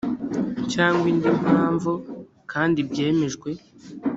cyangwa indi mpamvu kandi byemejwe